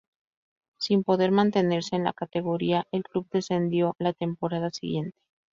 Sin poder mantenerse en la categoría, el club descendió la temporada siguiente.